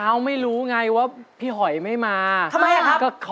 สวัสดีค่ะ